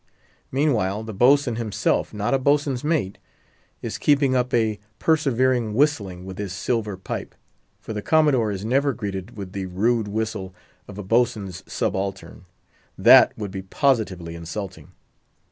Meanwhile, the boatswain himself—not a boatswain's mate—is keeping up a persevering whistling with his silver pipe; for the Commodore is never greeted with the rude whistle of a boatswain's subaltern; that would be positively insulting.